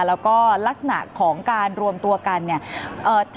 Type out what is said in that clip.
แล้วก็ลักษณะของการรวมตัวกันเนี่ย